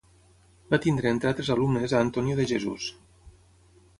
Va tenir entre altres alumnes a Antonio de Jesús.